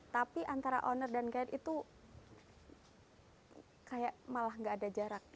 tapi antara owner dan guide itu kayak malah gak ada jarak